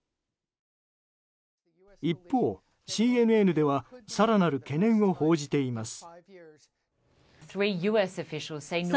一方、ＣＮＮでは更なる懸念を報じています。